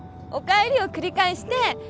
おかえりを繰り返して